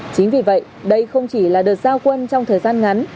chính vì vậy đây không chỉ là đợt giao quân trong thời gian ngắn